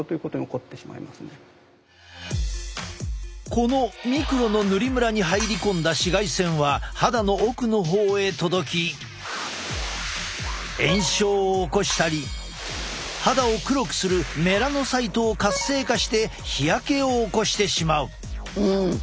このミクロの塗りムラに入り込んだ紫外線は肌の奥の方へ届き炎症を起こしたり肌を黒くするメラノサイトを活性化して日焼けを起こしてしまう。